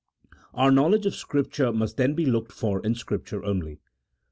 Our knowledge of Scripture must then be looked for in Scripture only.